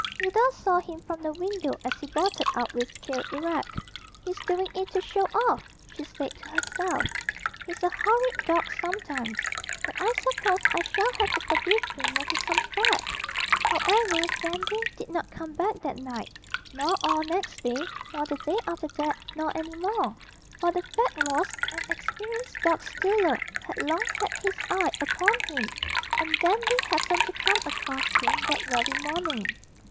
Hilda saw him from the window as he bolted out with tail erect. 'He's doing it to show off,' she said to herself; 'he's a horrid dog sometimes. But I suppose I shall have to forgive him when he comes back!' However, Dandy did not come back that night, nor all next day, nor the day after that, nor any more; for the fact was, an experienced dog stealer had long had his eye upon him, and Dandy happened to come across him that very morning.